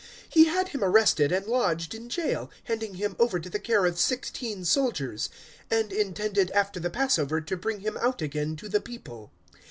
012:004 He had him arrested and lodged in jail, handing him over to the care of sixteen soldiers; and intended after the Passover to bring him out again to the people.